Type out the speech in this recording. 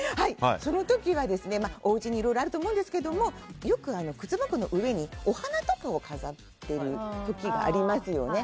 その時はおうちにいろいろあると思いますがよく靴箱の上にお花とかを飾っている時ありますよね。